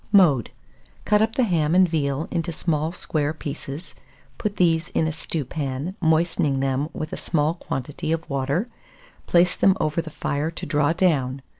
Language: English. Mode. Cut up the ham and veal into small square pieces, put these in a stewpan, moistening them with a small quantity of water; place them over the fire to draw down.